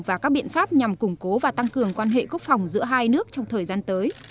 và các biện pháp nhằm củng cố và tăng cường quan hệ quốc phòng giữa hai nước trong thời gian tới